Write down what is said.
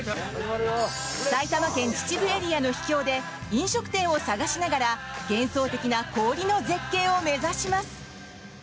埼玉県秩父エリアの秘境で飲食店を探しながら幻想的な氷の絶景を目指します。